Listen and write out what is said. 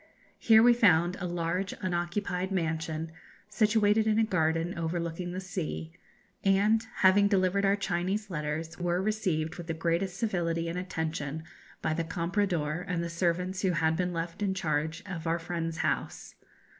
Here we found a large unoccupied mansion, situated in a garden overlooking the sea, and, having delivered our Chinese letters, were received with the greatest civility and attention by the comprador and the servants who had been left in charge of our friend's house.